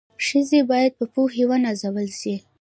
ښځي بايد په پوهي و نازول سي